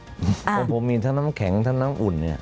ของผมมีทั้งน้ำแข็งทั้งน้ำอุ่นเนี่ย